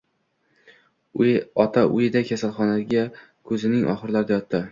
Ota Ueda kasalxonasiga kuzning oxirlarida yotdi